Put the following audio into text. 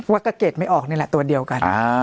เกรดไม่ออกนี่แหละตัวเดียวกัน